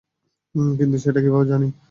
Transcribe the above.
কিন্তু সেটা কীভাবে, জনি?